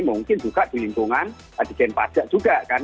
mungkin juga di lingkungan adik adik yang pajak juga kan